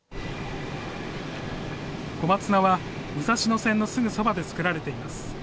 小松菜は武蔵野線のすぐそばで作られています。